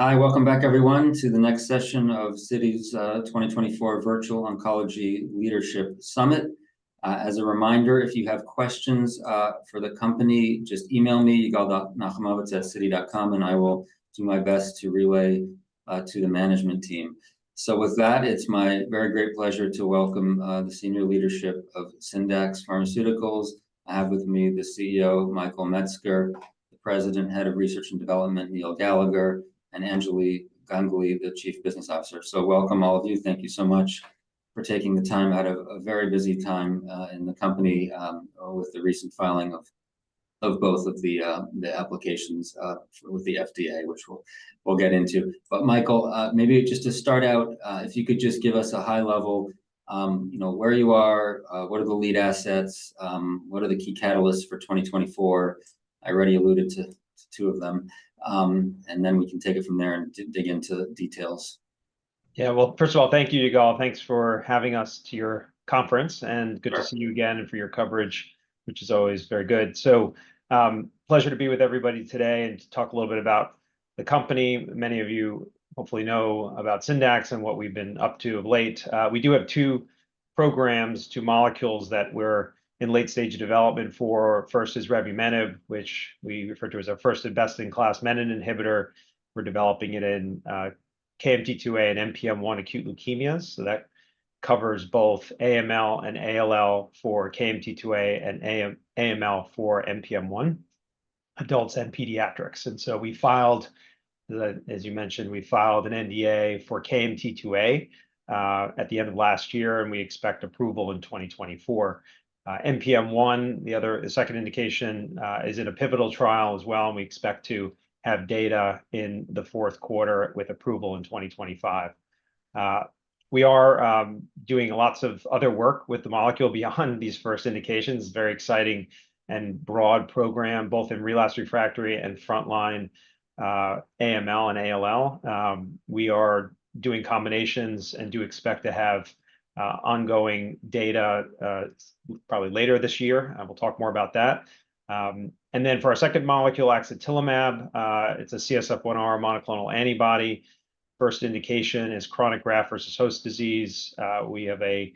Hi, welcome back everyone, to the next session of Citi's 2024 Virtual Oncology Leadership Summit. As a reminder, if you have questions for the company, just email me, yigal.nochomovitz@citi.com, and I will do my best to relay to the management team. So with that, it's my very great pleasure to welcome the senior leadership of Syndax Pharmaceuticals. I have with me the CEO, Michael Metzger, the President, Head of Research and Development, Neil Gallagher, and Anjali Ganguli, the Chief Business Officer. So welcome, all of you. Thank you so much for taking the time out of a very busy time in the company with the recent filing of both of the applications with the FDA, which we'll get into. Michael, maybe just to start out, if you could just give us a high level, you know, where you are, what are the lead assets, what are the key catalysts for 2024? I already alluded to two of them. Then we can take it from there and dig into the details. Yeah. Well, first of all, thank you, Yigal. Thanks for having us to your conference, and good to see you again, and for your coverage, which is always very good. So, pleasure to be with everybody today and to talk a little bit about the company. Many of you hopefully know about Syndax and what we've been up to of late. We do have two programs, two molecules that we're in late-stage development for. First is revumenib, which we refer to as our first-in-class menin inhibitor. We're developing it in KMT2A and NPM1 acute leukemias, so that covers both AML and ALL for KMT2A, and AML for NPM1, adults and pediatrics. And so, as you mentioned, we filed an NDA for KMT2A at the end of last year, and we expect approval in 2024. NPM1, the other, the second indication, is in a pivotal trial as well, and we expect to have data in the fourth quarter, with approval in 2025. We are doing lots of other work with the molecule beyond these first indications. Very exciting and broad program, both in relapsed, refractory, and frontline, AML and ALL. We are doing combinations and do expect to have ongoing data probably later this year, and we'll talk more about that. And then for our second molecule, axatilimab, it's a CSF-1R monoclonal antibody. First indication is chronic graft-versus-host disease. We have a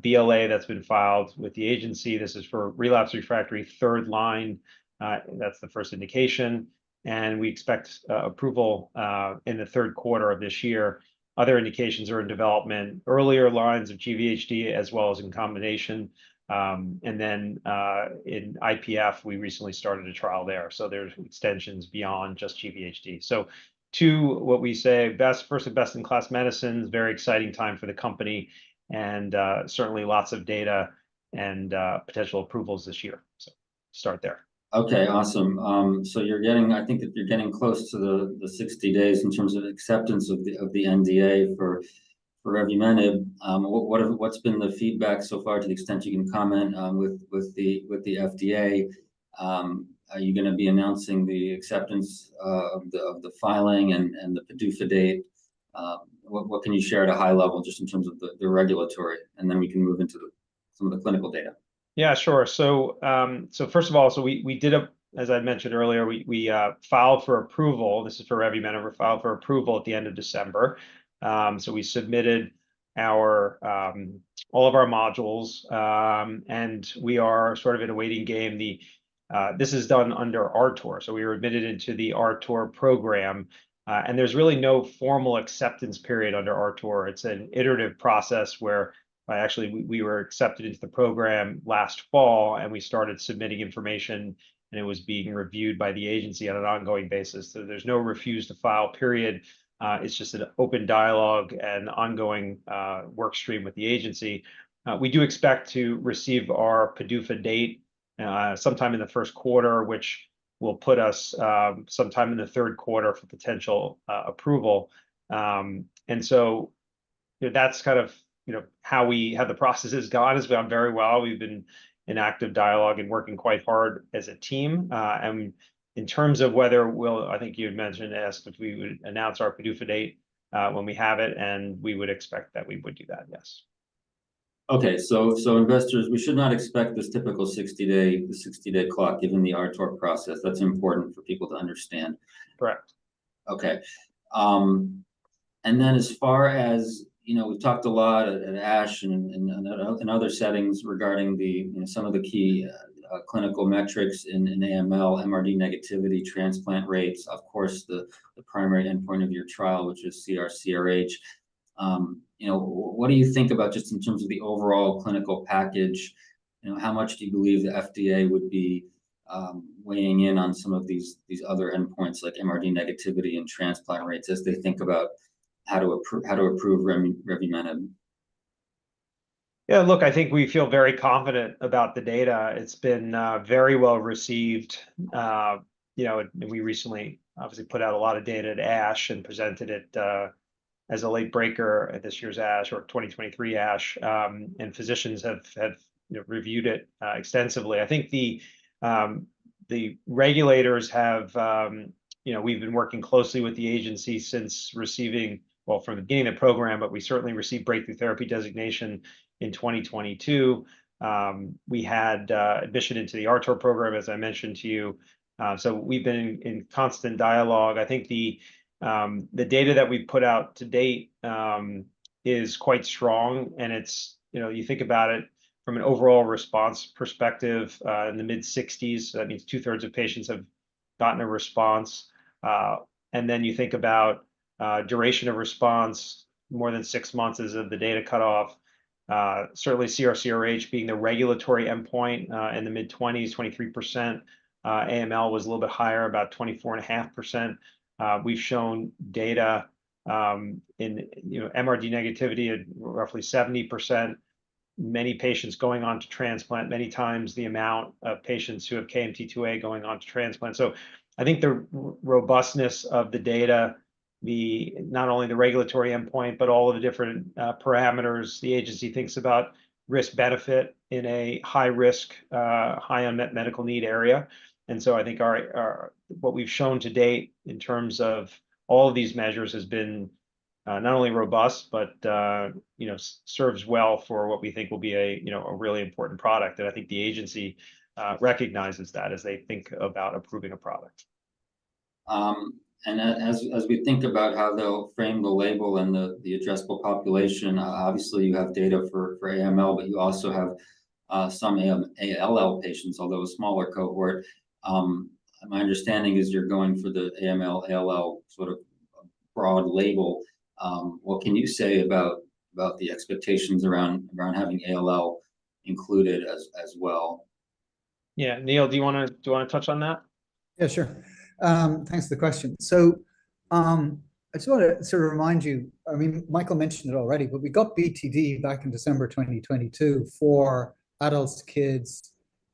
BLA that's been filed with the agency. This is for relapsed/refractory third line, that's the first indication, and we expect approval in the third quarter of this year. Other indications are in development, earlier lines of GVHD, as well as in combination. And then, in IPF, we recently started a trial there, so there's extensions beyond just GVHD. So too, what we say, best-first-in-best-in-class medicines. Very exciting time for the company, and certainly lots of data and potential approvals this year. So start there. Okay, awesome. So I think you're getting close to the 60 days in terms of acceptance of the NDA for revumenib. What's been the feedback so far, to the extent you can comment, with the FDA? Are you gonna be announcing the acceptance of the filing and the PDUFA date? What can you share at a high level, just in terms of the regulatory, and then we can move into some of the clinical data. Yeah, sure. So, first of all, we filed for approval, this is for revumenib. We filed for approval at the end of December. So we submitted all of our modules, and we are sort of in a waiting game. This is done under RTOR. So we were admitted into the RTOR program, and there's really no formal acceptance period under RTOR. It's an iterative process where, actually, we were accepted into the program last fall, and we started submitting information, and it was being reviewed by the agency on an ongoing basis. So there's no refuse-to-file period. It's just an open dialogue and ongoing work stream with the agency. We do expect to receive our PDUFA date sometime in the first quarter, which will put us sometime in the third quarter for potential approval. And so that's kind of, you know, how we, how the process has gone. It's gone very well. We've been in active dialogue and working quite hard as a team. And in terms of whether we'll- I think you had mentioned, asked if we would announce our PDUFA date when we have it, and we would expect that we would do that, yes. Okay, so investors, we should not expect this typical 60-day clock, given the RTOR process. That's important for people to understand. Correct. Okay. And then as far as... You know, we've talked a lot at, at ASH and, and, and in other settings regarding the, you know, some of the key clinical metrics in, in AML, MRD negativity, transplant rates. Of course, the, the primary endpoint of your trial, which is CR/CRh. You know, what do you think about, just in terms of the overall clinical package, you know, how much do you believe the FDA would be weighing in on some of these, these other endpoints, like MRD negativity and transplant rates, as they think about how to approve, how to approve revumenib? Yeah, look, I think we feel very confident about the data. It's been very well-received. You know, and we recently obviously put out a lot of data at ASH and presented it as a late breaker at this year's ASH, or 2023 ASH. And physicians have you know, reviewed it extensively. I think the regulators have, you know, we've been working closely with the agency since receiving, well, from the beginning of the program, but we certainly received breakthrough therapy designation in 2022. We had admission into the RTOR program, as I mentioned to you. So we've been in constant dialogue. I think the data that we've put out to date is quite strong, and it's, you know, you think about it from an overall response perspective in the mid-60s. That means two-thirds of patients have gotten a response. And then you think about duration of response, more than 6 months as of the data cutoff. Certainly CR/CRh being the regulatory endpoint in the mid-20s, 23%. AML was a little bit higher, about 24.5%. We've shown data, you know, in MRD negativity at roughly 70%. Many patients going on to transplant, many times the amount of patients who have KMT2A going on to transplant. I think the robustness of the data, the not only the regulatory endpoint, but all of the different parameters, the agency thinks about risk-benefit in a high risk, high unmet medical need area. And so I think what we've shown to date in terms of all of these measures has been not only robust, but you know, serves well for what we think will be a you know, a really important product. And I think the agency recognizes that as they think about approving a product. And as we think about how they'll frame the label and the adjustable population, obviously, you have data for AML, but you also have some ALL patients, although a smaller cohort. My understanding is you're going for the AML, ALL sort of broad label. What can you say about the expectations around having ALL included as well? Yeah. Neil, do you wanna, do you wanna touch on that? Yeah, sure. Thanks for the question. So, I just wanna sort of remind you, I mean, Michael mentioned it already, but we got BTD back in December 2022 for adults, kids,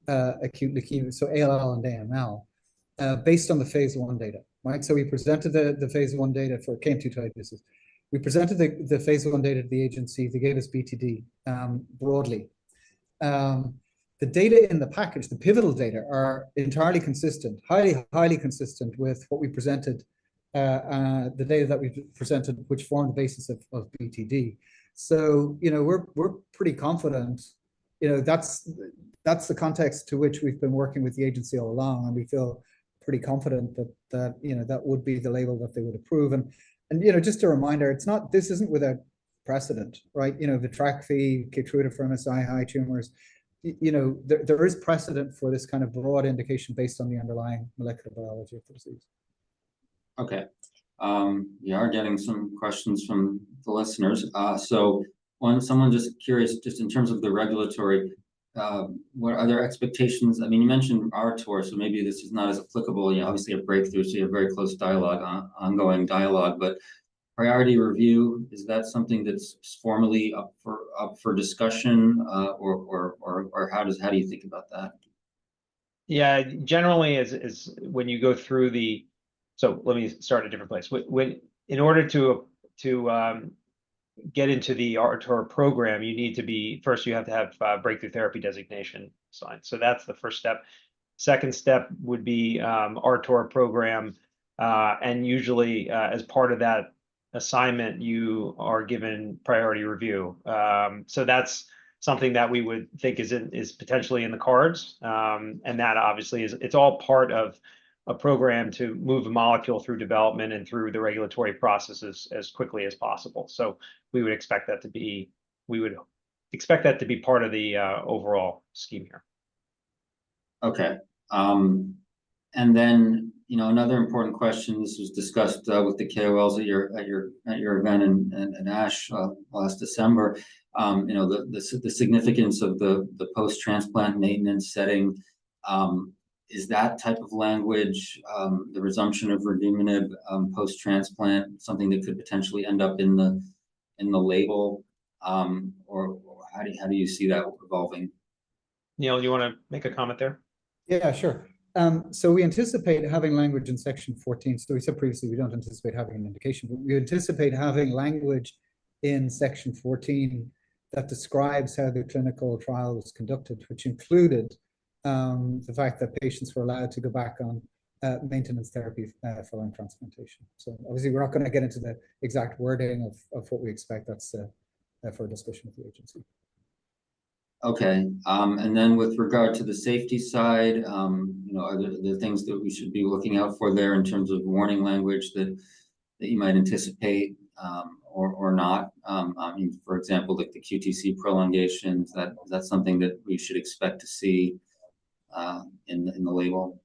acute leukemia, so ALL and AML, based on the phase I data, right? So we presented the, the phase I data for KMT2A. We presented the, the phase I data to the agency. They gave us BTD, broadly. The data in the package, the pivotal data, are entirely consistent, highly, highly consistent with what we presented, the data that we presented, which formed the basis of, of BTD. So, you know, we're, we're pretty confident. You know, that's, that's the context to which we've been working with the agency all along, and we feel pretty confident that that, you know, that would be the label that they would approve. You know, just a reminder, it's not—this isn't without precedent, right? You know, Vitrakvi, Keytruda for MSI-high tumors. You know, there is precedent for this kind of broad indication based on the underlying molecular biology of the disease. Okay. We are getting some questions from the listeners. So one, someone just curious, just in terms of the regulatory, what are their expectations? I mean, you mentioned RTOR, so maybe this is not as applicable. You know, obviously a breakthrough, so you have very close dialogue, ongoing dialogue, but priority review, is that something that's formally up for discussion, or how do you think about that? Yeah, generally, as when you go through the... So let me start a different place. When in order to get into the RTOR program, you need to be. First, you have to have breakthrough therapy designation signed. So that's the first step. Second step would be RTOR program, and usually, as part of that assignment, you are given priority review. So that's something that we would think is potentially in the cards. And that obviously is. It's all part of a program to move a molecule through development and through the regulatory processes as quickly as possible. So we would expect that to be part of the overall scheme here. Okay. And then, you know, another important question, this was discussed with the KOLs at your event in ASH last December. You know, the significance of the post-transplant maintenance setting, is that type of language, the resumption of revumenib post-transplant, something that could potentially end up in the label? Or how do you see that evolving? Neil, you wanna make a comment there? Yeah, sure. So we anticipate having language in Section 14. So we said previously, we don't anticipate having an indication, but we anticipate having language in Section 14 that describes how the clinical trial was conducted, which included the fact that patients were allowed to go back on maintenance therapy following transplantation. So obviously, we're not gonna get into the exact wording of what we expect. That's for a discussion with the agency. Okay, and then with regard to the safety side, you know, are there the things that we should be looking out for there in terms of warning language that you might anticipate, or not? I mean, for example, like the QTc prolongation, is that something that we should expect to see in the label?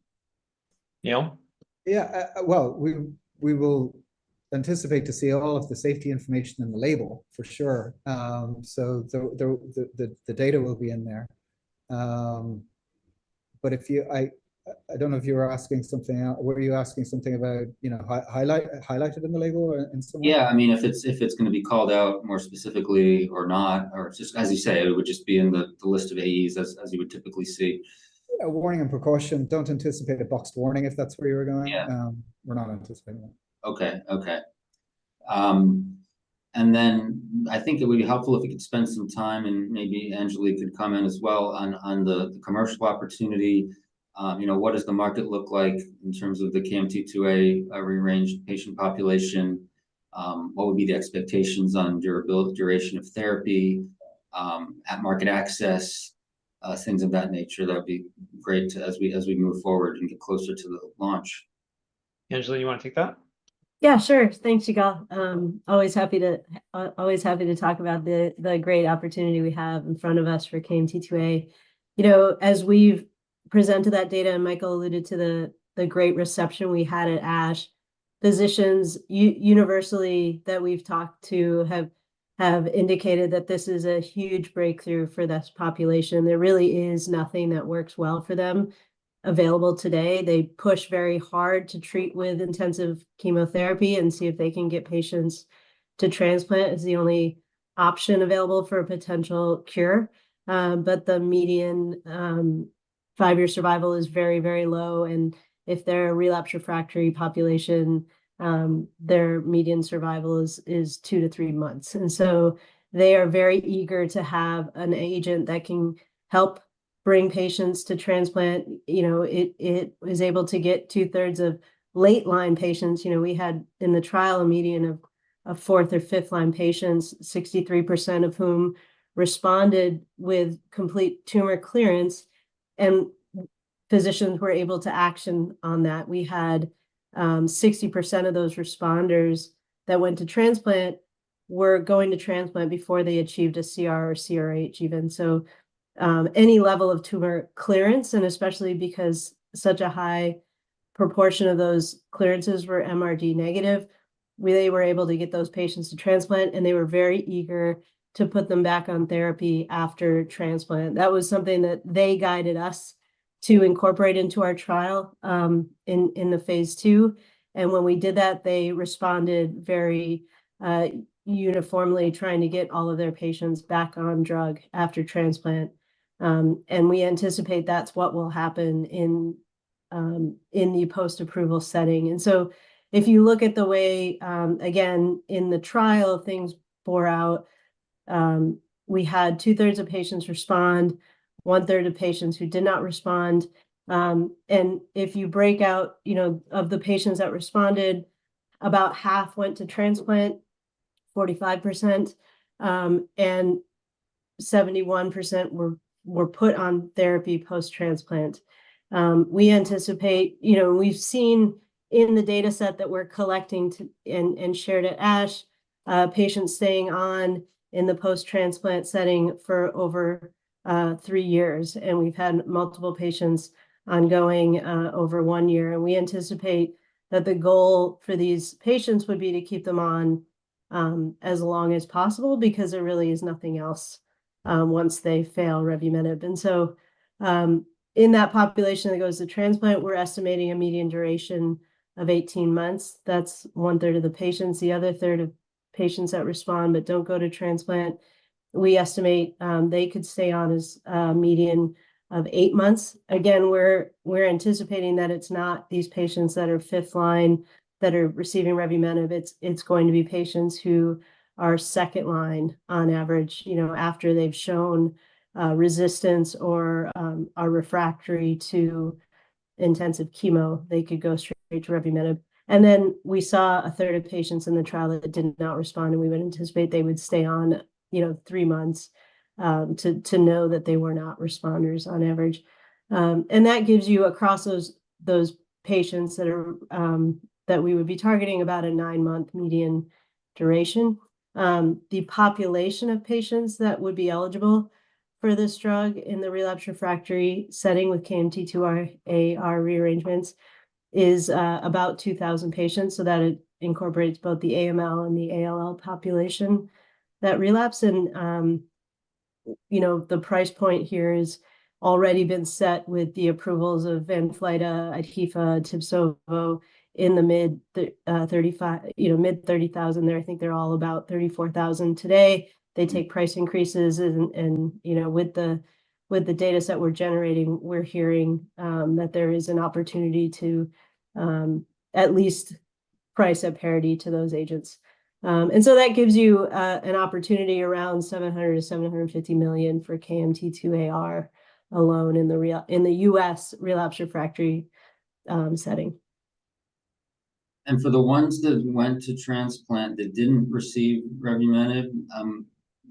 Neil? Yeah, well, we will anticipate to see all of the safety information in the label, for sure. So the data will be in there. But if you-- I don't know if you were asking something-- were you asking something about, you know, highlighted in the label or in some way? Yeah, I mean, if it's gonna be called out more specifically or not, or just as you say, it would just be in the list of AEs, as you would typically see. A warning and precaution. Don't anticipate a boxed warning, if that's where you were going. Yeah. We're not anticipating that. Okay, okay. And then I think it would be helpful if you could spend some time, and maybe Anjali could comment as well, on the commercial opportunity. You know, what does the market look like in terms of the KMT2A rearranged patient population? What would be the expectations on durability, duration of therapy, at market access, things of that nature? That would be great as we, as we move forward and get closer to the launch. Anjali, you wanna take that? Yeah, sure. Thanks, Yigal. Always happy to talk about the great opportunity we have in front of us for KMT2A. You know, as we've presented that data, and Michael alluded to the great reception we had at ASH. Physicians universally that we've talked to have indicated that this is a huge breakthrough for this population. There really is nothing that works well for them available today. They push very hard to treat with intensive chemotherapy and see if they can get patients to transplant, as the only option available for a potential cure. But the median 5-year survival is very, very low, and if they're a relapsed refractory population, their median survival is 2-3 months. And so they are very eager to have an agent that can help bring patients to transplant. You know, it was able to get two-thirds of late line patients. You know, we had, in the trial, a median of fourth or fifth line patients, 63% of whom responded with complete tumor clearance, and physicians were able to action on that. We had, 60% of those responders that went to transplant, were going to transplant before they achieved a CR or CRh even. So, any level of tumor clearance, and especially because such a high proportion of those clearances were MRD negative, we really were able to get those patients to transplant, and they were very eager to put them back on therapy after transplant. That was something that they guided us to incorporate into our trial, in the phase II. When we did that, they responded very uniformly, trying to get all of their patients back on drug after transplant. We anticipate that's what will happen in the post-approval setting. So if you look at the way, again, in the trial, things bore out, we had two-thirds of patients respond, one-third of patients who did not respond. If you break out, you know, of the patients that responded, about half went to transplant, 45%, and 71% were put on therapy post-transplant. We anticipate. You know, we've seen in the dataset that we're collecting and shared at ASH, patients staying on in the post-transplant setting for over three years, and we've had multiple patients ongoing over one year. We anticipate that the goal for these patients would be to keep them on as long as possible, because there really is nothing else once they fail revumenib. So, in that population that goes to transplant, we're estimating a median duration of 18 months. That's one-third of the patients. The other third of patients that respond but don't go to transplant, we estimate they could stay on as a median of eight months. Again, we're anticipating that it's not these patients that are fifth line that are receiving revumenib, it's going to be patients who are second line on average, you know, after they've shown resistance or are refractory to intensive chemo, they could go straight to revumenib. And then we saw a third of patients in the trial that did not respond, and we would anticipate they would stay on, you know, three months to know that they were not responders on average. And that gives you across those patients that we would be targeting about a nine-month median duration. The population of patients that would be eligible for this drug in the relapsed refractory setting with KMT2A rearrangements is about 2,000 patients, so that it incorporates both the AML and the ALL population. That relapse and, you know, the price point here is already been set with the approvals of Vanflyta, Idhifa, Tibsovo in the mid-$35,000, you know, mid-$30,000. I think they're all about $34,000 today. They take price increases and, you know, with the dataset we're generating, we're hearing that there is an opportunity to at least price at parity to those agents. And so that gives you an opportunity around $700 million-$750 million for KMT2AR alone in the U.S. relapsed refractory setting. For the ones that went to transplant that didn't receive revumenib,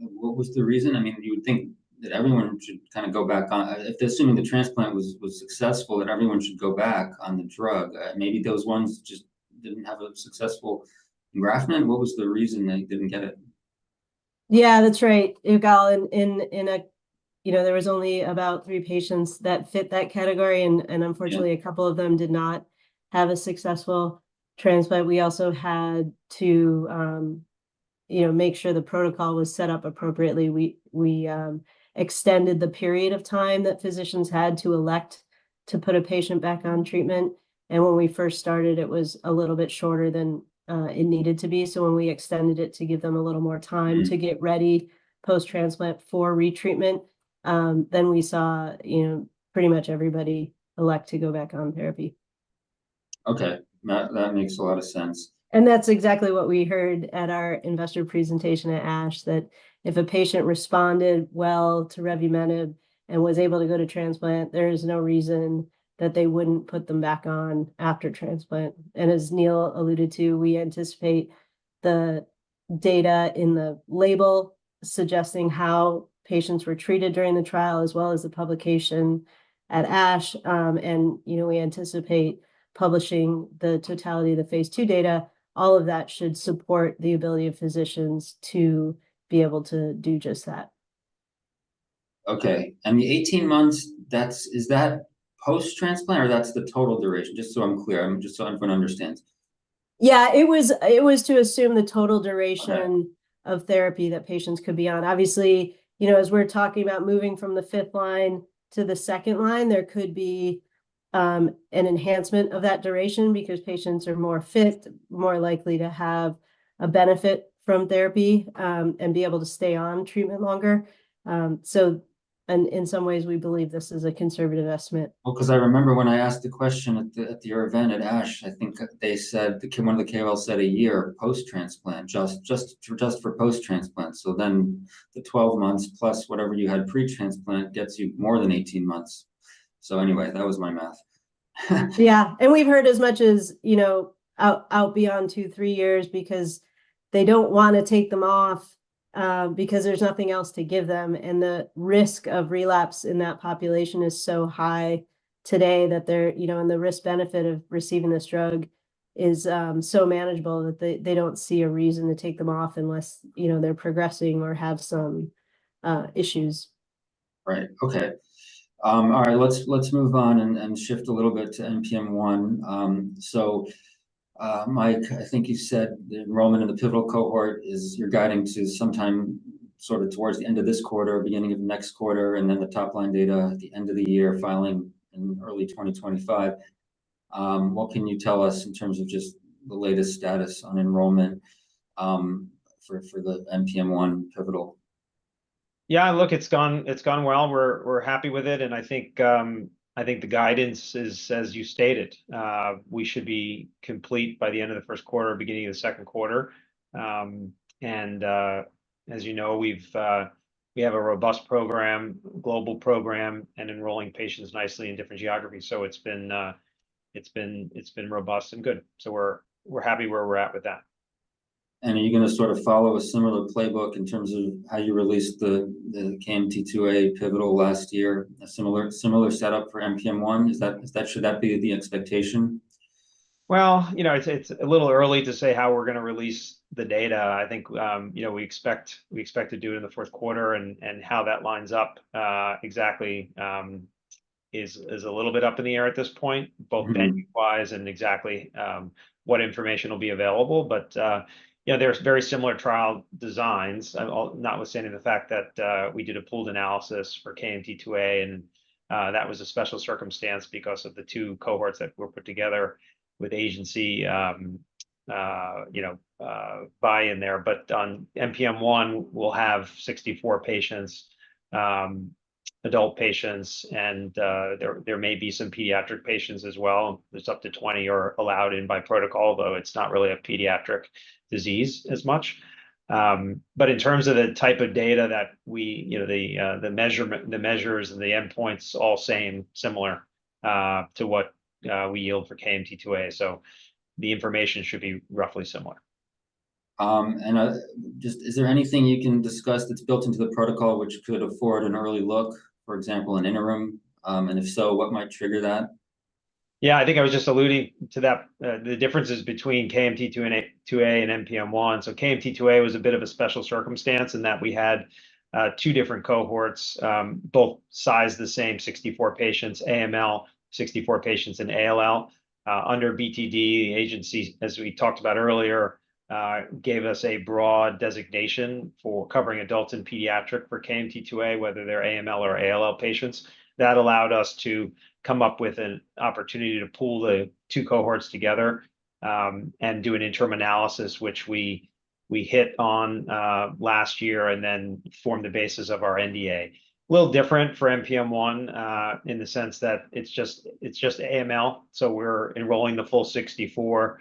what was the reason? I mean, you would think that everyone should kinda go back on... Assuming the transplant was successful, that everyone should go back on the drug. Maybe those ones just didn't have a successful graft, then what was the reason they didn't get it? Yeah, that's right, Yigal. In a, you know, there was only about three patients that fit that category, and unfortunately a couple of them did not have a successful transplant. We also had to, you know, make sure the protocol was set up appropriately. We extended the period of time that physicians had to elect to put a patient back on treatment, and when we first started, it was a little bit shorter than it needed to be. So when we extended it, to give them a little more time to get ready, post-transplant, for retreatment. Then we saw, you know, pretty much everybody elect to go back on therapy. Okay. That makes a lot of sense. That's exactly what we heard at our investor presentation at ASH, that if a patient responded well to revumenib and was able to go to transplant, there is no reason that they wouldn't put them back on after transplant. And as Neil alluded to, we anticipate the data in the label suggesting how patients were treated during the trial, as well as the publication at ASH. You know, we anticipate publishing the totality of the phase II data. All of that should support the ability of physicians to be able to do just that. Okay, and the 18 months, that's—is that post-transplant or that's the total duration? Just so I'm clear, just so everyone understands. Yeah, it was, it was to assume the total duration of therapy that patients could be on. Obviously, you know, as we're talking about moving from the fifth line to the second line, there could be an enhancement of that duration because patients are more fit, more likely to have a benefit from therapy, and be able to stay on treatment longer. So and in some ways, we believe this is a conservative estimate. Well, 'cause I remember when I asked the question at your event at ASH, I think they said, one of the KOLs said a year post-transplant, just for post-transplant. So then the 12 months plus whatever you had pre-transplant, gets you more than 18 months. So anyway, that was my math. Yeah. And we've heard as much as, you know, out beyond two, three years, because they don't wanna take them off, because there's nothing else to give them, and the risk of relapse in that population is so high today that they're... You know, and the risk-benefit of receiving this drug is, so manageable that they, they don't see a reason to take them off unless, you know, they're progressing or have some issues. Right. Okay. All right, let's move on and shift a little bit to NPM1. So, Mike, I think you said the enrollment in the pivotal cohort is, you're guiding to sometime sort of towards the end of this quarter or beginning of next quarter, and then the top line data at the end of the year, filing in early 2025. What can you tell us in terms of just the latest status on enrollment for the NPM1 pivotal? Yeah, look, it's gone, it's gone well. We're, we're happy with it, and I think, I think the guidance is, as you stated, we should be complete by the end of the first quarter or beginning of the second quarter. And, as you know, we have a robust program, global program, and enrolling patients nicely in different geographies. So it's been, it's been, it's been robust and good. So we're, we're happy where we're at with that. Are you gonna sort of follow a similar playbook in terms of how you released the KMT2A pivotal last year? A similar setup for NPM1, is that? Should that be the expectation? Well, you know, it's a little early to say how we're gonna release the data. I think, you know, we expect to do it in the first quarter, and how that lines up exactly is a little bit up in the air at this point both venue-wise, and exactly, what information will be available. But, you know, there's very similar trial designs, notwithstanding the fact that, we did a pooled analysis for KMT2A, and, that was a special circumstance because of the two cohorts that were put together with agency, you know, buy-in there. But on NPM1, we'll have 64 patients, adult patients, and, there may be some pediatric patients as well. There's up to 20 are allowed in by protocol, though it's not really a pediatric disease as much. But in terms of the type of data that we... You know, the measurement, the measures and the endpoints all same, similar, to what, we yield for KMT2A. So the information should be roughly similar. And just, is there anything you can discuss that's built into the protocol, which could afford an early look, for example, an interim? And if so, what might trigger that? Yeah, I think I was just alluding to that, the differences between KMT2A and NPM1. So KMT2A was a bit of a special circumstance in that we had, two different cohorts, both sized the same, 64 patients, AML, 64 patients in ALL. Under BTD, the agency, as we talked about earlier, gave us a broad designation for covering adults and pediatric for KMT2A, whether they're AML or ALL patients. That allowed us to come up with an opportunity to pool the two cohorts together, and do an interim analysis, which we, we hit on, last year, and then formed the basis of our NDA. Little different for NPM1, in the sense that it's just, it's just AML, so we're enrolling the full 64.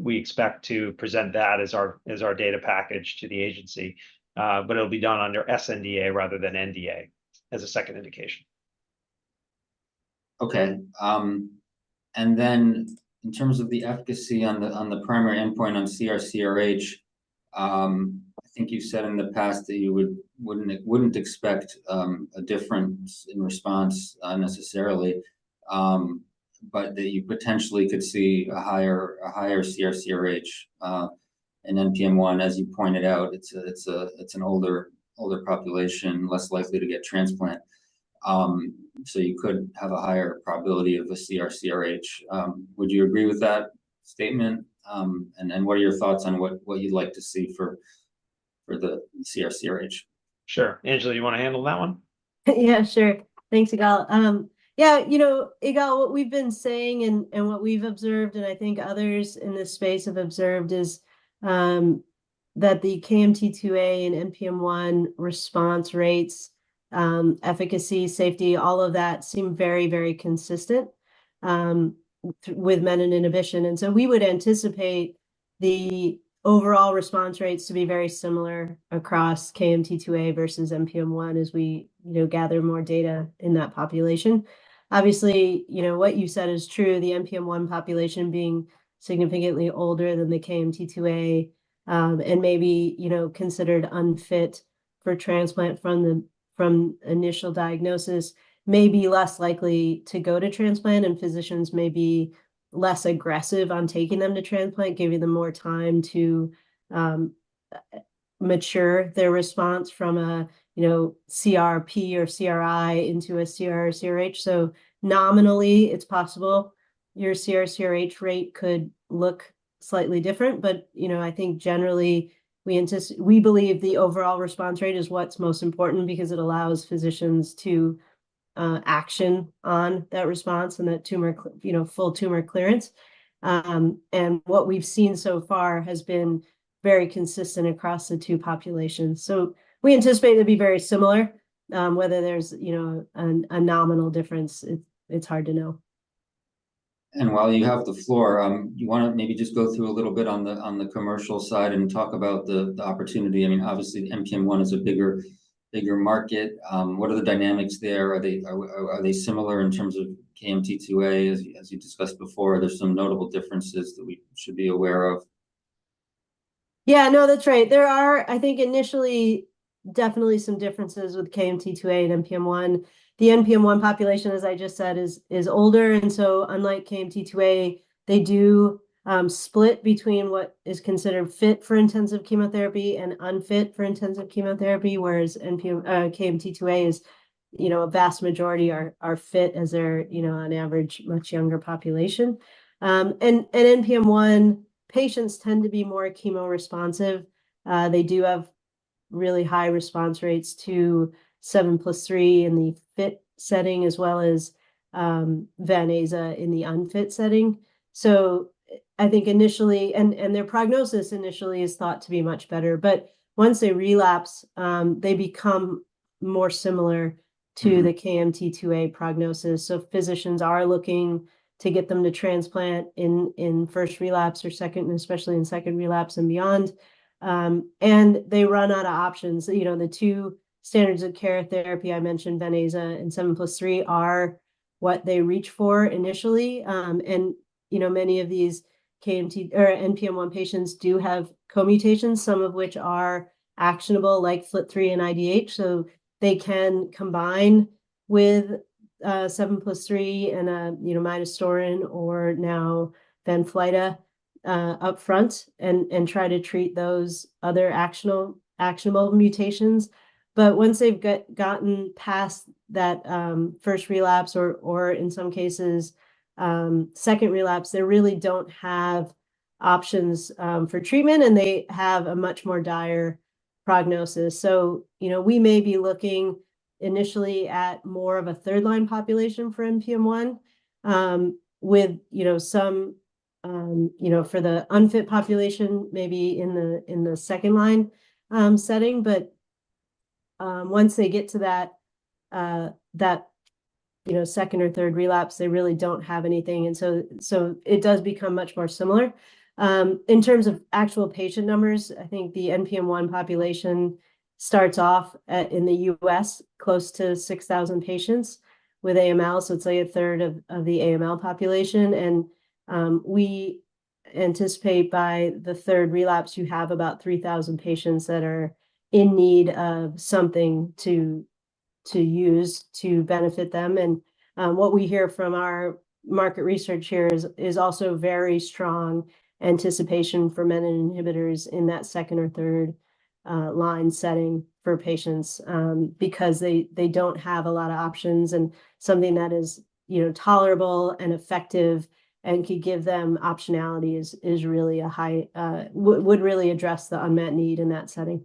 We expect to present that as our data package to the agency, but it'll be done under sNDA rather than NDA, as a second indication. Okay. And then in terms of the efficacy on the primary endpoint on CR/CRh, I think you've said in the past that you wouldn't expect a difference in response necessarily, but that you potentially could see a higher CR/CRh. And NPM1, as you pointed out, it's an older population, less likely to get transplant. So you could have a higher probability of a CR/CRh. Would you agree with that statement? And what are your thoughts on what you'd like to see for the CR/CRh? Sure. Anjali, you wanna handle that one? Yeah, sure. Thanks, Yigal. Yeah, you know, Yigal, what we've been saying and, and what we've observed, and I think others in this space have observed, is that the KMT2A and NPM1 response rates, efficacy, safety, all of that seem very, very consistent with menin inhibition. And so we would anticipate the overall response rates to be very similar across KMT2A versus NPM1, as we, you know, gather more data in that population. Obviously, you know, what you said is true, the NPM1 population being significantly older than the KMT2A, and maybe, you know, considered unfit for transplant from the, from initial diagnosis, may be less likely to go to transplant, and physicians may be less aggressive on taking them to transplant, giving them more time to, mature their response from a, you know, CRp or CRi into a CR or CRh. So nominally, it's possible your CR or CRh rate could look slightly different. But, you know, I think generally we believe the overall response rate is what's most important, because it allows physicians to, action on that response and that tumor, you know, full tumor clearance. And what we've seen so far has been very consistent across the two populations. So we anticipate it to be very similar. Whether there's, you know, a nominal difference, it's hard to know. While you have the floor, you wanna maybe just go through a little bit on the, on the commercial side and talk about the, the opportunity? I mean, obviously, the NPM1 is a bigger, bigger market. What are the dynamics there? Are they similar in terms of KMT2A? As you discussed before, are there some notable differences that we should be aware of? Yeah, no, that's right. There are, I think, initially, definitely some differences with KMT2A and NPM1. The NPM1 population, as I just said, is older, and so unlike KMT2A, they do split between what is considered fit for intensive chemotherapy and unfit for intensive chemotherapy, whereas NPM, KMT2A is, you know, a vast majority are fit, as they're, you know, on average, a much younger population. And NPM1 patients tend to be more chemo responsive. They do have really high response rates to 7+3 in the fit setting, as well as Ven/Aza in the unfit setting. So I think initially... And their prognosis initially is thought to be much better, but once they relapse, they become more similar to the KMT2A prognosis. So physicians are looking to get them to transplant in first relapse or second, and especially in second relapse and beyond. And they run out of options. You know, the two standards of care therapy, I mentioned Ven/Aza and 7+3, are what they reach for initially. And, you know, many of these KMT2A or NPM1 patients do have co-mutations, some of which are actionable, like FLT3 and IDH. So they can combine with seven plus three and, you know, midostaurin or now Vanflyta, upfront, and try to treat those other actionable mutations. But once they've gotten past that first relapse, or in some cases second relapse, they really don't have options for treatment, and they have a much more dire prognosis. So, you know, we may be looking initially at more of a third-line population for NPM1, with, you know, some, you know, for the unfit population, maybe in the, in the second line, setting. But, once they get to that, you know, second or third relapse, they really don't have anything, and so, so it does become much more similar. In terms of actual patient numbers, I think the NPM1 population starts off at, in the U.S., close to 6,000 patients with AML, so it's like a third of, of the AML population. And, we anticipate by the third relapse, you have about 3,000 patients that are in need of something to, to use to benefit them. What we hear from our market research here is also very strong anticipation for menin inhibitors in that second or third line setting for patients, because they don't have a lot of options, and something that is, you know, tolerable and effective and could give them optionality is really a high would really address the unmet need in that setting.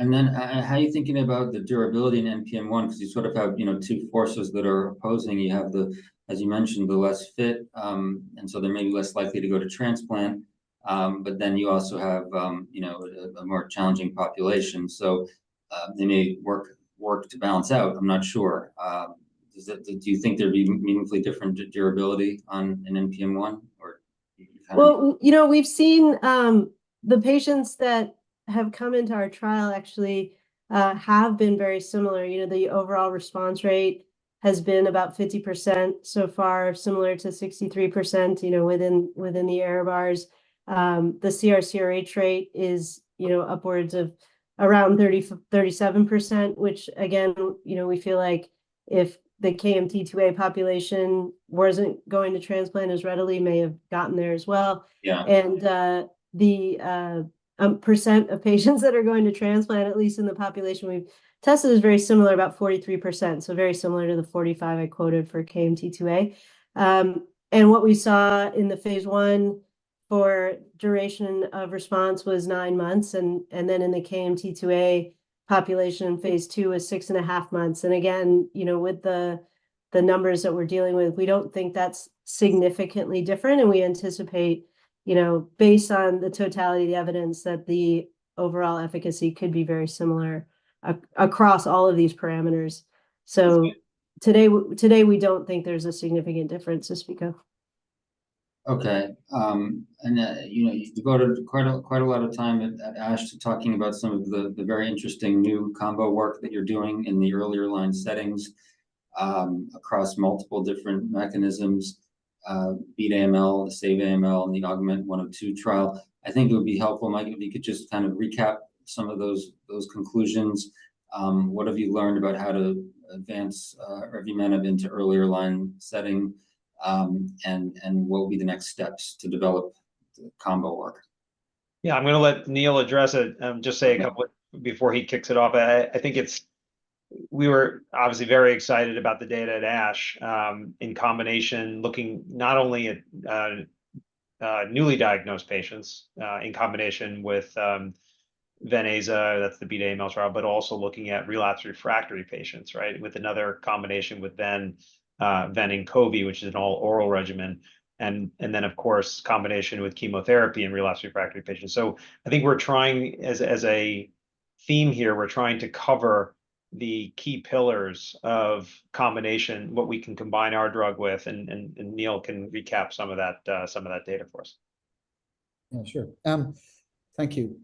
And then, how are you thinking about the durability in NPM1? Because you sort of have, you know, two forces that are opposing. You have the, as you mentioned, the less fit, and so they may be less likely to go to transplant. But then you also have, you know, a more challenging population, so, they may work to balance out. I'm not sure. Do you think there'd be meaningfully different durability on an NPM1, or do you have any- Well, you know, we've seen the patients that have come into our trial actually have been very similar. You know, the overall response rate has been about 50% so far, similar to 63%, you know, within the error bars. The CR/CRh rate is, you know, upwards of around 37%, which again, you know, we feel like if the KMT2A population wasn't going to transplant as readily, may have gotten there as well. Yeah. The percent of patients that are going to transplant, at least in the population we've tested, is very similar, about 43%, so very similar to the 45 I quoted for KMT2A. And what we saw in the phase I for duration of response was 9 months, and then in the KMT2A population, phase II was 6.5 months. And again, you know, with the numbers that we're dealing with, we don't think that's significantly different, and we anticipate, you know, based on the totality of the evidence, that the overall efficacy could be very similar across all of these parameters. So today, we don't think there's a significant difference as we go. Okay, and, you know, you devoted quite a lot of time at ASH to talking about some of the very interesting new combo work that you're doing in the earlier line settings, across multiple different mechanisms, Beat AML, SAVE AML, and the Augment 1 or 2 trial. I think it would be helpful, Mike, if you could just kind of recap some of those conclusions. What have you learned about how to advance revumenib into earlier line setting, and what will be the next steps to develop the combo work? Yeah, I'm gonna let Neil address it, just say a couple before he kicks it off. I think we were obviously very excited about the data at ASH, in combination, looking not only at newly diagnosed patients, in combination with Ven/Aza, that's the Beat AML trial, but also looking at relapsed refractory patients, right? With another combination with ven, ven and Inqovi, which is an all-oral regimen, and then, of course, combination with chemotherapy in relapsed refractory patients. So I think we're trying, as a theme here, we're trying to cover the key pillars of combination, what we can combine our drug with, and Neil can recap some of that data for us. Yeah, sure. Thank you.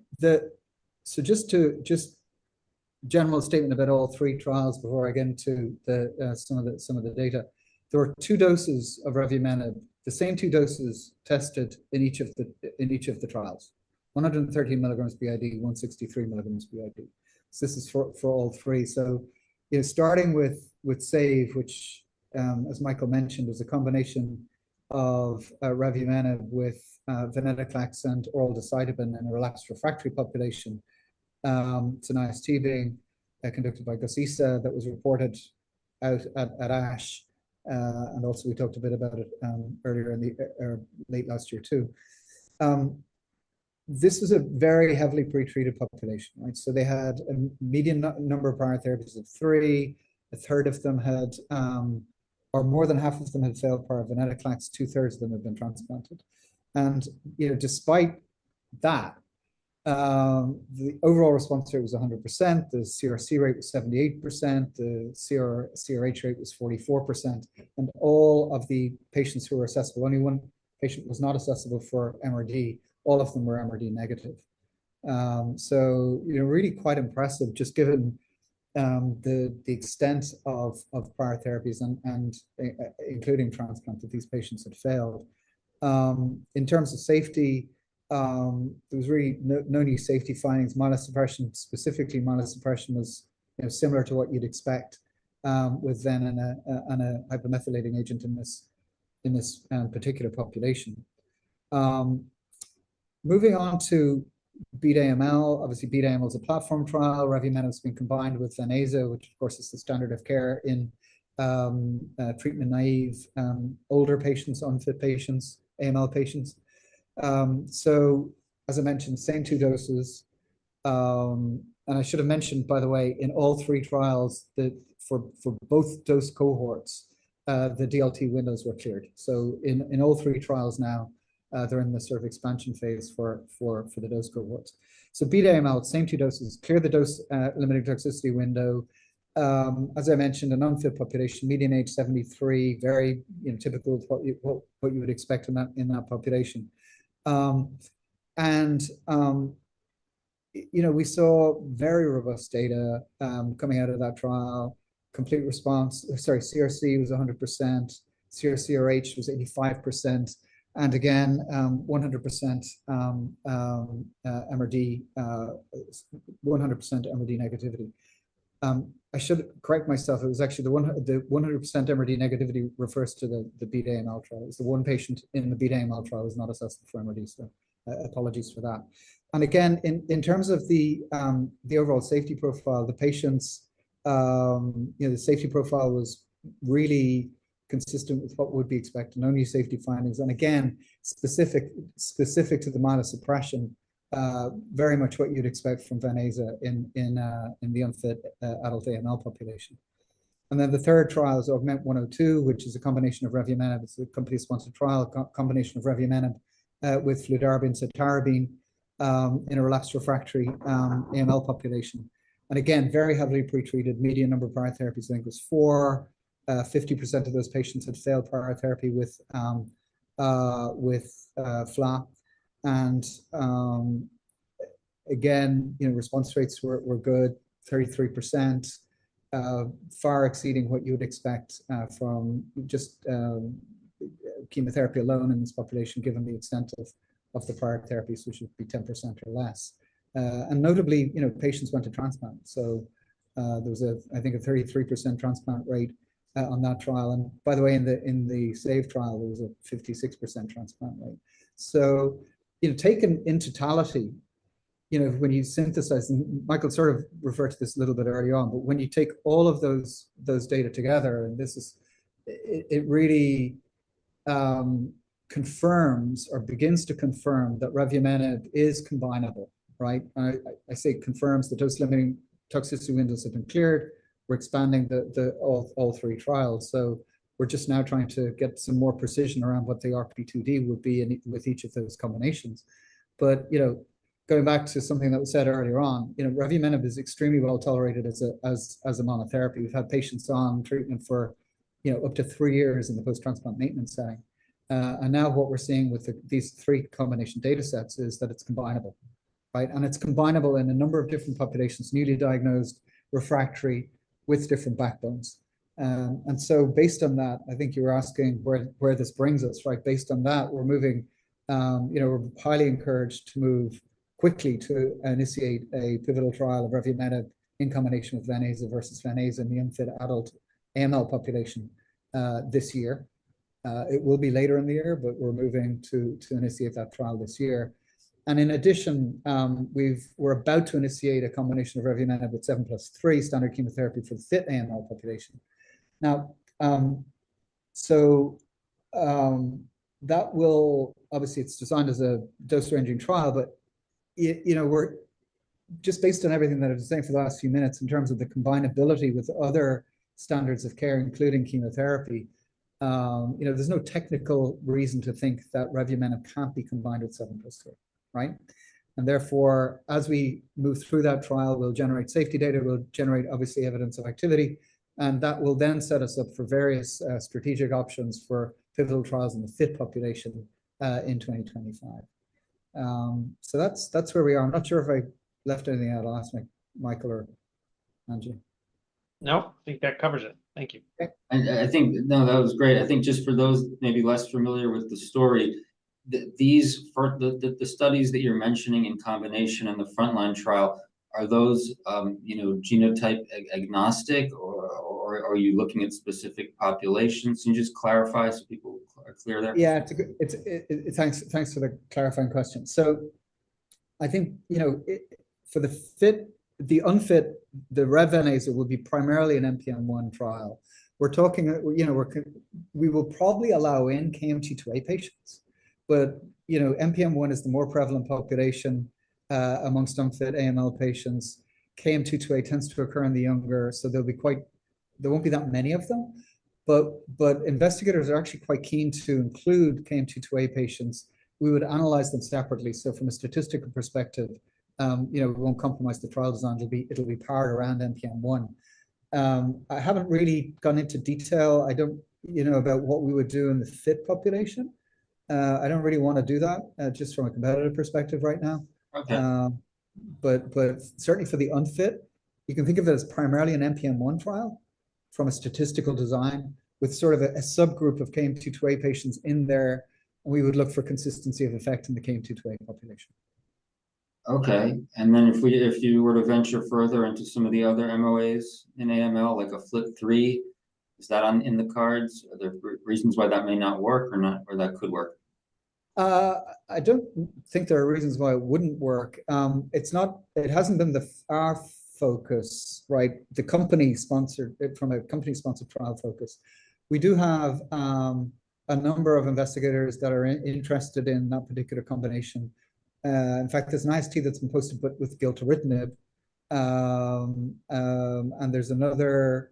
So just to, just general statement about all three trials before I get into some of the data. There were two doses of revumenib, the same two doses tested in each of the trials. 130 milligrams BID, 163 milligrams BID. This is for all three. So, yeah, starting with SAVE, which, as Michael mentioned, is a combination of revumenib with venetoclax and oral decitabine in a relapsed refractory population. It's an IST being conducted by Ghayas Issa that was reported out at ASH. And also, we talked a bit about it earlier in the late last year, too. This was a very heavily pretreated population, right? So they had a median number of prior therapies of three. A third of them had, or more than half of them had failed part of venetoclax, two-thirds of them had been transplanted. You know, despite that, the overall response rate was 100%, the CR rate was 78%, the CR, CRh rate was 44%, and all of the patients who were assessable, only one patient was not assessable for MRD, all of them were MRD negative. So, you know, really quite impressive, just given the extent of prior therapies and including transplant, that these patients had failed. In terms of safety, there was really no new safety findings, myelosuppression, specifically, myelosuppression was, you know, similar to what you'd expect with ven and a and a hypomethylating agent in this particular population. Moving on to Beat AML, obviously, Beat AML is a platform trial. Revumenib has been combined with Ven/Aza, which, of course, is the standard of care in treatment-naive older patients, unfit patients, AML patients. So as I mentioned, same 2 doses. And I should have mentioned, by the way, in all 3 trials, that for both dose cohorts, the DLT windows were cleared. So in all 3 trials now, they're in the sort of expansion phase for the dose cohorts. So Beat AML, same 2 doses, clear the dose-limited toxicity window. As I mentioned, an unfit population, median age 73, very, you know, typical of what you would expect in that population. And, you know, we saw very robust data coming out of that trial. Complete response, sorry, CRc was 100%, CRh was 85%, and again, 100%, MRD, 100% MRD negativity. I should correct myself, it was actually the 100% MRD negativity refers to the, the Beat AML trial. It was the 1 patient in the Beat AML trial was not assessed for MRD, so, apologies for that. And again, in terms of the overall safety profile, the patients, you know, the safety profile was really consistent with what would be expected, no new safety findings. And again, specific to the myelosuppression, very much what you'd expect from Ven/Aza in the unfit adult AML population. And then the third trial is Augment 1 or 2, which is a combination of revumenib. It's a company-sponsored trial, a combination of revumenib with fludarabine cytarabine in a relapsed refractory AML population. And again, very heavily pretreated, median number of prior therapies, I think, was 4. Fifty percent of those patients had failed prior therapy with FLAG. And again, you know, response rates were good, 33%, far exceeding what you would expect from just chemotherapy alone in this population, given the extent of the prior therapies, which would be 10% or less. And notably, you know, patients went to transplant. So there was, I think, a 33% transplant rate on that trial. And by the way, in the SAVE trial, there was a 56% transplant rate. So, you know, taken in totality-... You know, when you synthesize, and Michael sort of referred to this a little bit early on, but when you take all of those, those data together, and this is, it, it, it really confirms or begins to confirm that revumenib is combinable, right? I, I say confirms the dose-limiting toxicity windows have been cleared. We're expanding the, the, all, all three trials. So we're just now trying to get some more precision around what the RP2D would be in, with each of those combinations. But, you know, going back to something that was said earlier on, you know, revumenib is extremely well-tolerated as a, as, as a monotherapy. We've had patients on treatment for, you know, up to three years in the post-transplant maintenance setting. And now what we're seeing with the, these three combination datasets is that it's combinable, right? It's combinable in a number of different populations: newly diagnosed, refractory, with different backbones. And so based on that, I think you were asking where this brings us, right? Based on that, we're moving, you know, we're highly encouraged to move quickly to initiate a pivotal trial of revumenib in combination with venetoclax versus venetoclax in the unfit adult AML population, this year. It will be later in the year, but we're moving to initiate that trial this year. And in addition, we're about to initiate a combination of revumenib with 7+3 standard chemotherapy for the fit AML population. Now, so, that will obviously, it's designed as a dose-ranging trial, but it, you know, we're just based on everything that I've been saying for the last few minutes in terms of the combinability with other standards of care, including chemotherapy, you know, there's no technical reason to think that revumenib can't be combined with 7+3, right? And therefore, as we move through that trial, we'll generate safety data, we'll generate, obviously, evidence of activity, and that will then set us up for various strategic options for pivotal trials in the fit population, in 2025. So that's, that's where we are. I'm not sure if I left anything out, I'll ask Michael or Angie. No, I think that covers it. Thank you. Okay. I think, no, that was great. I think just for those maybe less familiar with the story, these frontline studies that you're mentioning in combination in the frontline trial, are those, you know, genotype agnostic, or are you looking at specific populations? Can you just clarify so people are clear there? Yeah, it's a good, it's thanks, thanks for the clarifying question. So I think, you know, it, for the fit, the unfit, the rev/ven will be primarily an NPM1 trial. We're talking, you know, we will probably allow in KMT2A patients, but, you know, NPM1 is the more prevalent population among unfit AML patients. KMT2A tends to occur in the younger, so there'll be quite, there won't be that many of them. But investigators are actually quite keen to include KMT2A patients. We would analyze them separately, so from a statistical perspective, you know, we won't compromise the trial design. It'll be powered around NPM1. I haven't really gone into detail, I don't, you know, about what we would do in the fit population. I don't really want to do that just from a competitive perspective right now. Okay. But certainly for the unfit, you can think of it as primarily an NPM1 trial from a statistical design with sort of a subgroup of KMT2A patients in there. We would look for consistency of effect in the KMT2A population. Okay. And then if we, if you were to venture further into some of the other MOAs in AML, like a FLT3, is that in the cards? Are there reasons why that may not work or not, or that could work? I don't think there are reasons why it wouldn't work. It's not—it hasn't been our focus, right? The company-sponsored, from a company-sponsored trial focus. We do have a number of investigators that are interested in that particular combination. In fact, there's an IST that's been posted, but with gilteritinib. And there's another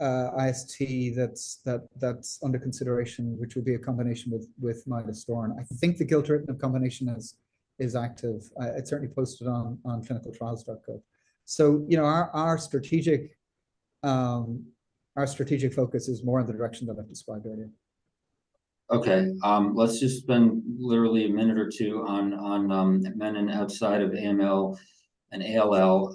IST that's under consideration, which will be a combination with midostaurin. I think the gilteritinib combination is active. It's certainly posted on ClinicalTrials.gov. So, you know, our strategic focus is more in the direction that I've described earlier. Okay, let's just spend literally a minute or two on menin outside of AML and ALL.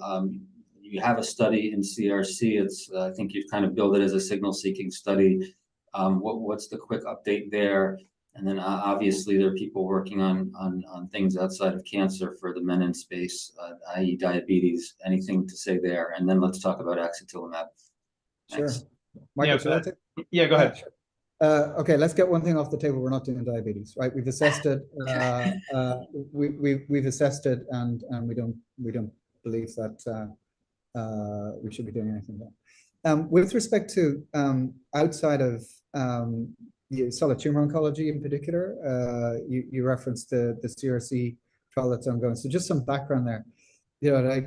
You have a study in CRC, it's I think you've kind of billed it as a signal-seeking study. What, what's the quick update there? And then, obviously, there are people working on things outside of cancer for the menin space, i.e., diabetes. Anything to say there? And then let's talk about axatilimab. Sure. Thanks. Michael, is that it? Yeah, go ahead. Okay, let's get one thing off the table: we're not doing diabetes, right? We've assessed it, and we don't believe that we should be doing anything there. With respect to outside of yeah, solid tumor oncology in particular, you referenced the CRC trial that's ongoing. So just some background there. You know, like,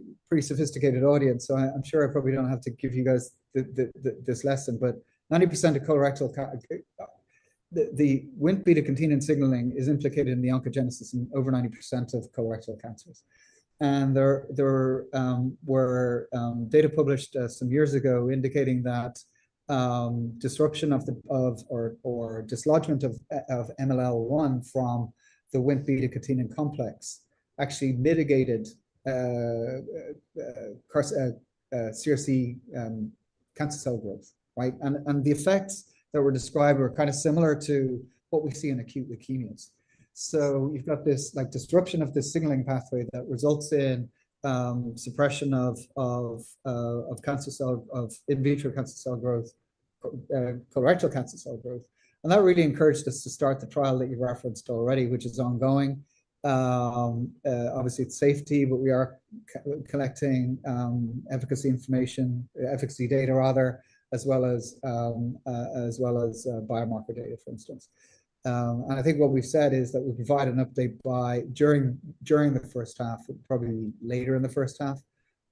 a pretty sophisticated audience, so I'm sure I probably don't have to give you guys this lesson, but 90% of colorectal cancer, the Wnt beta-catenin signaling is implicated in the oncogenesis in over 90% of colorectal cancers. There were data published some years ago indicating that disruption of, or dislodgement of MLL1 from the Wnt beta-catenin complex actually mitigated CRC cancer cell growth, right? And the effects that were described were kind of similar to what we see in acute leukemias. So you've got this, like, disruption of this signaling pathway that results in suppression of in vitro cancer cell growth, colorectal cancer cell growth, and that really encouraged us to start the trial that you've referenced already, which is ongoing. Obviously, it's safety, but we are collecting efficacy information, efficacy data rather, as well as biomarker data, for instance. I think what we've said is that we'll provide an update by, during the first half, probably later in the first half.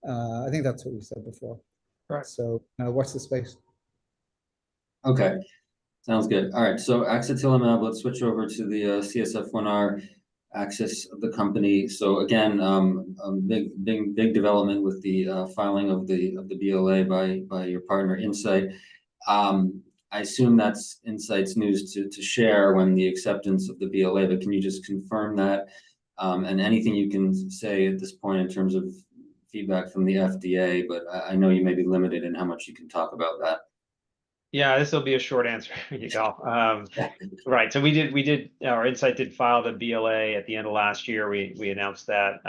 I think that's what we said before. Right. Watch this space. Okay. Sounds good. All right, so axatilimab, let's switch over to the, CSF-1R axis of the company. So again, big, big, big development with the, filing of the, of the BLA by, by your partner Incyte. I assume that's Incyte's news to, to share when the acceptance of the BLA, but can you just confirm that, and anything you can say at this point in terms of feedback from the FDA, but I know you may be limited in how much you can talk about that. Yeah, this will be a short answer, Yigal. Right. So Incyte did file the BLA at the end of last year. We announced that.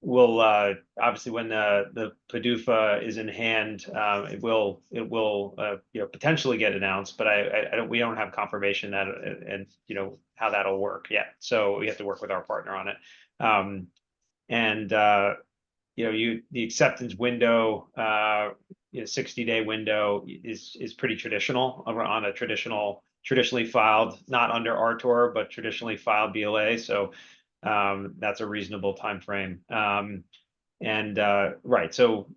We'll obviously, when the PDUFA is in hand, it will, you know, potentially get announced, but we don't have confirmation that, and you know, how that'll work yet. So we have to work with our partner on it. And the acceptance window, you know, 60-day window is pretty traditional, on a traditional, traditionally filed, not under RTOR, but traditionally filed BLA, so that's a reasonable timeframe. Right, so,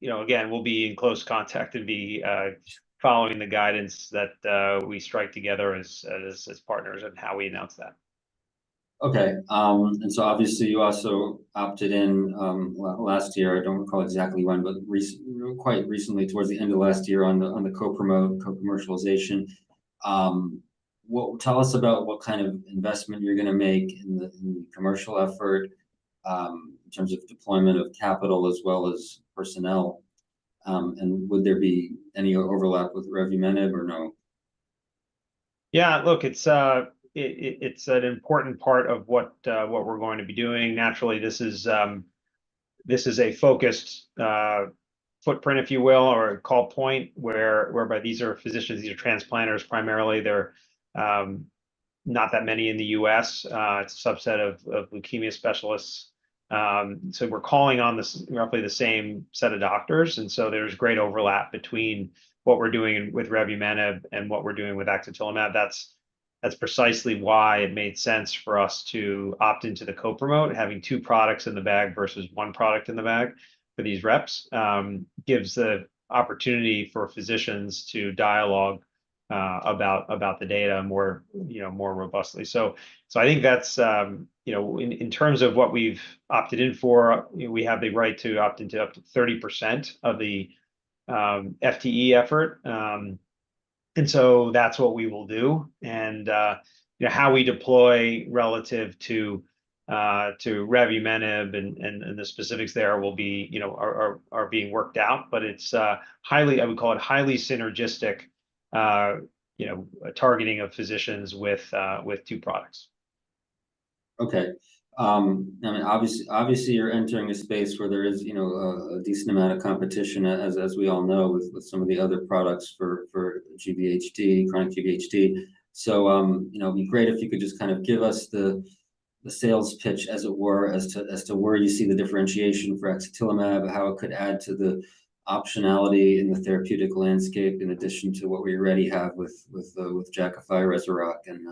you know, again, we'll be in close contact and be following the guidance that we strike together as partners and how we announce that. Okay, and so obviously you also opted in, last year, I don't recall exactly when, but quite recently, towards the end of last year, on the, on the co-promote, co-commercialization. What... Tell us about what kind of investment you're gonna make in the, in the commercial effort, in terms of deployment of capital as well as personnel, and would there be any overlap with revumenib or no? Yeah, look, it's an important part of what we're going to be doing. Naturally, this is a focused footprint, if you will, or a call point, whereby these are physicians, these are transplanters primarily, they're not that many in the U.S., it's a subset of leukemia specialists. So we're calling on this, roughly the same set of doctors, and so there's great overlap between what we're doing with revumenib and what we're doing with axatilimab. That's precisely why it made sense for us to opt into the co-promote. Having two products in the bag versus one product in the bag for these reps gives the opportunity for physicians to dialogue about the data more, you know, more robustly. So, I think that's, you know, in terms of what we've opted in for, we have the right to opt into up to 30% of the FTE effort, and so that's what we will do. And, you know, how we deploy relative to revumenib and the specifics there will be, you know, are being worked out, but it's highly, I would call it, highly synergistic, you know, targeting of physicians with two products. Okay. And obviously, obviously, you're entering a space where there is, you know, a decent amount of competition, as we all know, with some of the other products for GVHD, chronic GVHD. So, you know, it'd be great if you could just kind of give us the sales pitch, as it were, as to where you see the differentiation for axatilimab, how it could add to the optionality in the therapeutic landscape, in addition to what we already have with Jakafi, Rezurock, and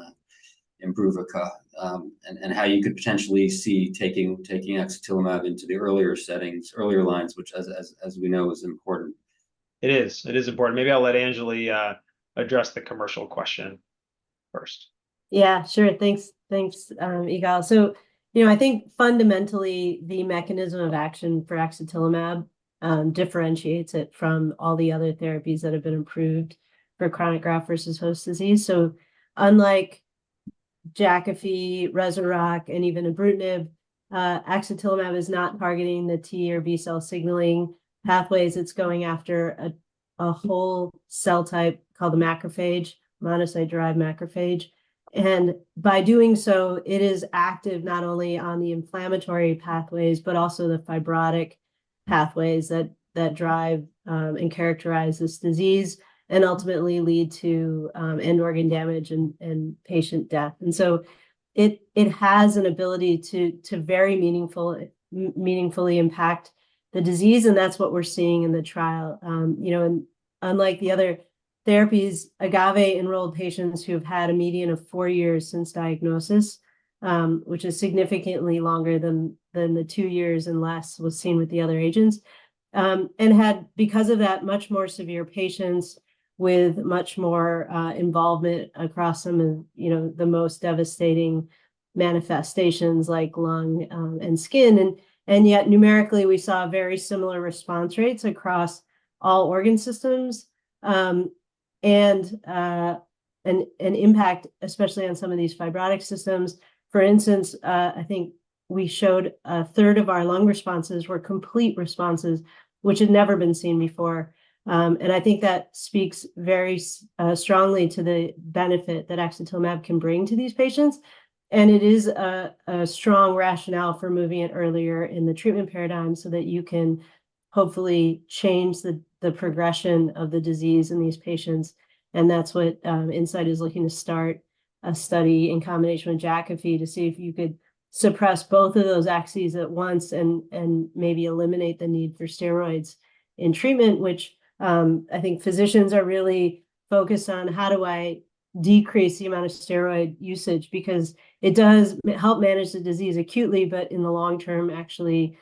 Imbruvica, and how you could potentially see taking axatilimab into the earlier settings, earlier lines, which, as we know, is important. It is. It is important. Maybe I'll let Anjali address the commercial question first. Yeah, sure. Thanks. Thanks, Yigal. So you know, I think fundamentally, the mechanism of action for axatilimab differentiates it from all the other therapies that have been approved for chronic graft-versus-host disease. So unlike Jakafi, Rezurock, and even ibrutinib, axatilimab is not targeting the T or B-cell signaling pathways. It's going after a whole cell type called the macrophage, monocyte-derived macrophage, and by doing so, it is active not only on the inflammatory pathways, but also the fibrotic pathways that drive and characterize this disease, and ultimately lead to end organ damage and patient death. And so it has an ability to very meaningfully impact the disease, and that's what we're seeing in the trial. You know, and unlike the other therapies, AGAVE enrolled patients who have had a median of four years since diagnosis, which is significantly longer than the two years and less was seen with the other agents. And had, because of that, much more severe patients with much more involvement across some of, you know, the most devastating manifestations, like lung and skin, and yet numerically, we saw very similar response rates across all organ systems, and an impact, especially on some of these fibrotic systems. For instance, I think we showed a third of our lung responses were complete responses, which had never been seen before. And I think that speaks very strongly to the benefit that axatilimab can bring to these patients, and it is a strong rationale for moving it earlier in the treatment paradigm, so that you can hopefully change the progression of the disease in these patients, and that's what Incyte is looking to start a study in combination with Jakafi to see if you could suppress both of those axes at once and maybe eliminate the need for steroids in treatment, which I think physicians are really focused on: How do I decrease the amount of steroid usage? Because it does help manage the disease acutely, but in the long term, actually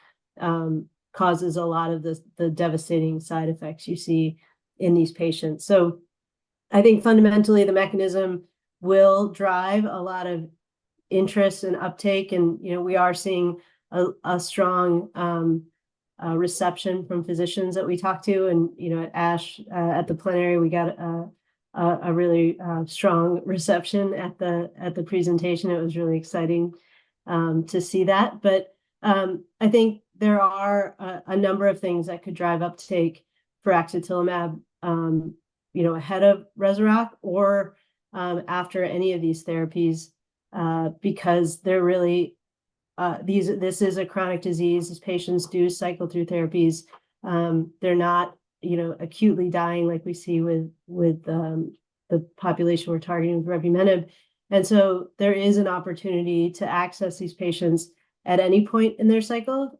causes a lot of the devastating side effects you see in these patients. So I think fundamentally, the mechanism will drive a lot of interest and uptake, and, you know, we are seeing a strong reception from physicians that we talk to. And, you know, at ASH, at the plenary, we got a really strong reception at the presentation. It was really exciting to see that. But I think there are a number of things that could drive uptake for axatilimab, you know, ahead of Rezurock or, after any of these therapies, because they're really... This is a chronic disease. These patients do cycle through therapies. They're not, you know, acutely dying like we see with the population we're targeting with revumenib. And so there is an opportunity to access these patients at any point in their cycle.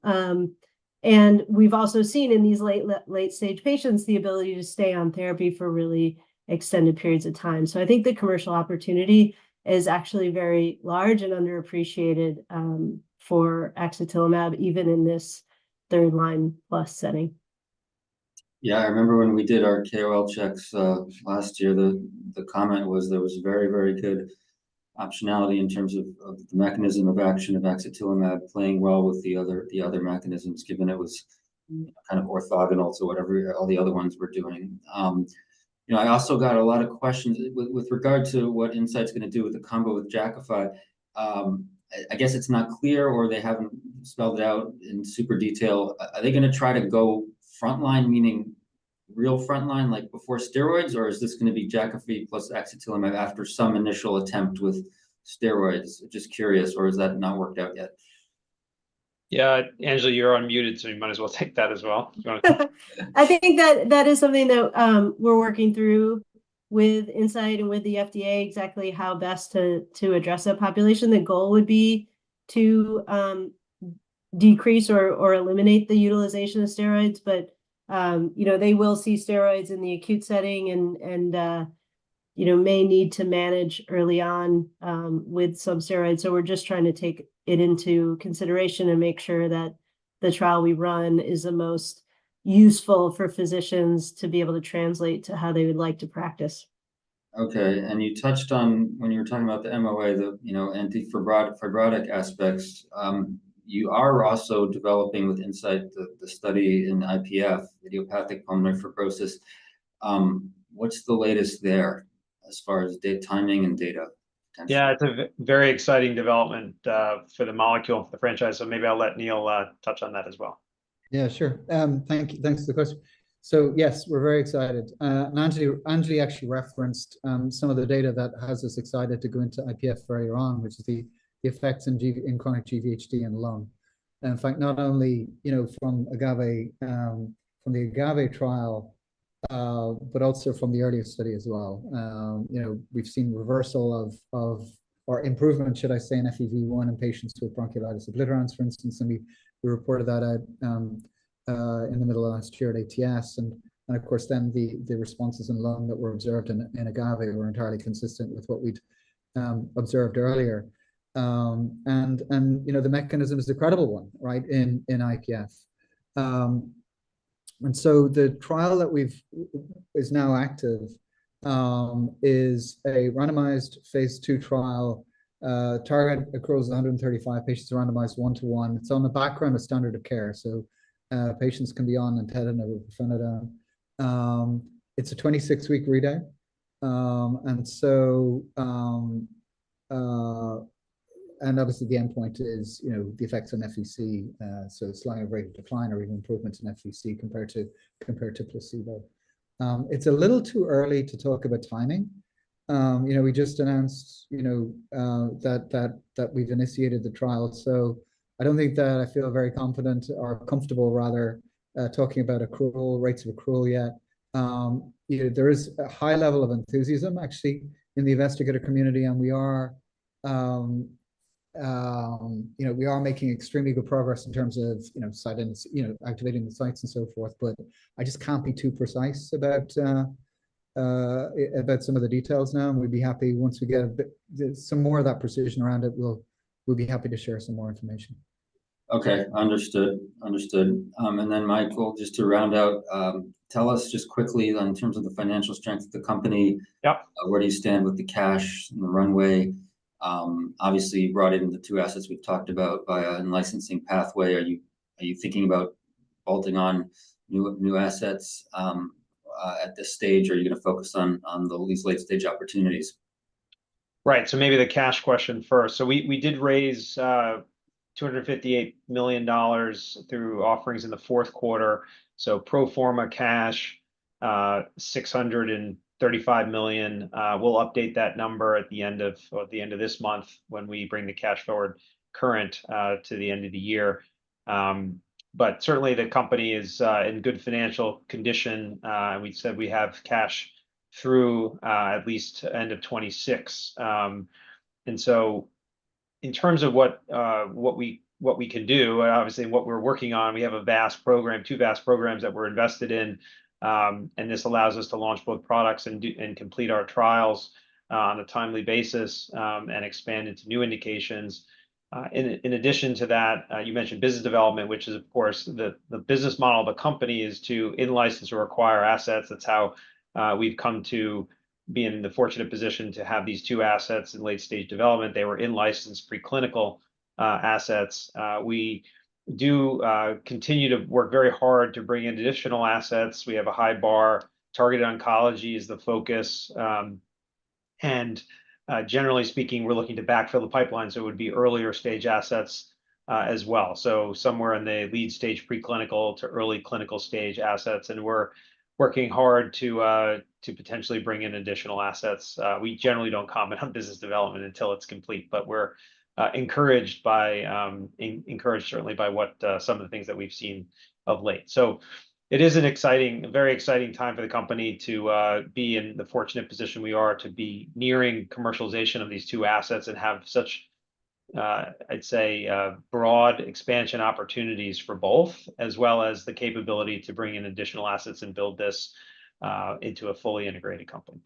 We've also seen in these late-stage patients, the ability to stay on therapy for really extended periods of time. So I think the commercial opportunity is actually very large and underappreciated for axatilimab, even in this third-line plus setting. Yeah, I remember when we did our KOL checks last year, the comment was there was very, very good optionality in terms of the mechanism of action of axatilimab playing well with the other mechanisms, given it was kind of orthogonal to whatever all the other ones were doing. You know, I also got a lot of questions with regard to what Incyte's gonna do with the combo with Jakafi. I guess it's not clear, or they haven't spelled it out in super detail. Are they gonna try to go frontline, meaning real frontline, like before steroids, or is this gonna be Jakafi plus axatilimab after some initial attempt with steroids? Just curious, or has that not worked out yet? Yeah, Anjali, you're unmuted, so you might as well take that as well, if you wanna - I think that that is something that, we're working through with Incyte and with the FDA, exactly how best to address that population. The goal would be to, decrease or, or eliminate the utilization of steroids, but, you know, they will see steroids in the acute setting and, and, you know, may need to manage early on, with some steroids. So we're just trying to take it into consideration and make sure that the trial we run is the most useful for physicians to be able to translate to how they would like to practice. Okay, and you touched on, when you were talking about the MOA, the, you know, antifibrotic aspects. You are also developing with Incyte, the study in IPF, idiopathic pulmonary fibrosis. What's the latest there as far as date, timing, and data concerns? Yeah, it's a very exciting development for the molecule, the franchise, so maybe I'll let Neil touch on that as well. Yeah, sure. Thank you. Thanks for the question. So yes, we're very excited. And Anjali, Anjali actually referenced some of the data that has us excited to go into IPF very strong, which is the effects in chronic GVHD in the lung. And in fact, not only, you know, from AGAVE, from the AGAVE trial, but also from the earlier study as well. You know, we've seen reversal of or improvement, should I say, in FEV1 in patients with bronchiolitis obliterans, for instance, and we reported that, in the middle of last year, at ATS. And of course, then the responses in lung that were observed in AGAVE were entirely consistent with what we'd observed earlier. And you know, the mechanism is a credible one, right, in IPF. And so the trial is now active and is a randomized phase II trial. Target accrual is 135 patients, randomized 1:1. It's on the background of standard of care, so patients can be on nintedanib with pirfenidone. It's a 26-week readout, and so... And obviously, the endpoint is, you know, the effects on FVC, so it's lung rate of decline or even improvement in FVC compared to placebo. It's a little too early to talk about timing. You know, we just announced, you know, that we've initiated the trial, so I don't think that I feel very confident or comfortable, rather, talking about accrual, rates of accrual yet. You know, there is a high level of enthusiasm, actually, in the investigator community, and we are, you know, we are making extremely good progress in terms of, you know, site and, you know, activating the sites and so forth. But I just can't be too precise about about some of the details now. And we'd be happy, once we get some more of that precision around it, we'll be happy to share some more information. Okay, understood. Understood. And then, Michael, just to round out, tell us just quickly, in terms of the financial strength of the company where do you stand with the cash and the runway? Obviously, you brought in the two assets we've talked about by a licensing pathway. Are you, are you thinking about bolting on new, new assets, at this stage, or are you gonna focus on, on the these late-stage opportunities? Right. So maybe the cash question first. So we did raise $258 million through offerings in the fourth quarter. So pro forma cash $635 million. We'll update that number at the end of this month, when we bring the cash forward current to the end of the year. But certainly the company is in good financial condition. We said we have cash through at least to end of 2026. And so in terms of what we can do, and obviously what we're working on, we have a vast program, two vast programs that we're invested in. And this allows us to launch both products and complete our trials on a timely basis, and expand into new indications. In addition to that, you mentioned business development, which is, of course... The business model of the company is to in-license or acquire assets. That's how we've come to be in the fortunate position to have these two assets in late-stage development. They were in-licensed preclinical assets. We do continue to work very hard to bring in additional assets. We have a high bar. Targeted oncology is the focus, and generally speaking, we're looking to backfill the pipeline, so it would be earlier-stage assets, as well. So somewhere in the lead-stage preclinical to early clinical stage assets, and we're working hard to potentially bring in additional assets. We generally don't comment on business development until it's complete, but we're encouraged by, encouraged certainly by what some of the things that we've seen of late. So it is an exciting, a very exciting time for the company to be in the fortunate position we are, to be nearing commercialization of these two assets and have such, I'd say, broad expansion opportunities for both, as well as the capability to bring in additional assets and build this into a fully integrated company.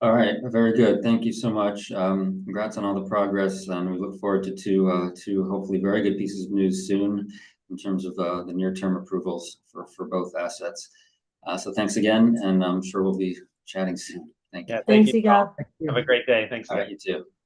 All right. Very good. Thank you so much. Congrats on all the progress, and we look forward to hopefully very good pieces of news soon in terms of the near-term approvals for both assets. So thanks again, and I'm sure we'll be chatting soon. Thank you. Thank you, Yigal Thanks, you all. Have a great day. Thanks. All right, you too.